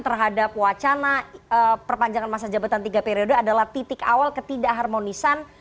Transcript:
terhadap wacana perpanjangan masa jabatan tiga periode adalah titik awal ketidak harmonisan